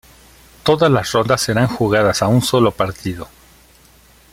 Todas las rondas serán jugadas a un solo partido.